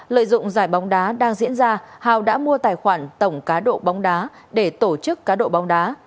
lợi dụng giải bóng đá đang diễn ra hào đã mua tài khoản tổng cá độ bóng đá để tổ chức cá độ bóng đá